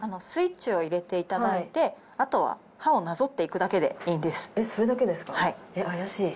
スイッチを入れていただいてあとは歯をなぞって行くだけでいいんです。